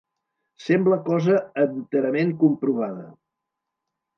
Sembla cosa enterament comprovada